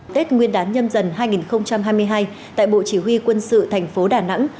tết nguyên đán nhâm dần hai nghìn hai mươi hai tại bộ chỉ huy quân sự thành phố đà nẵng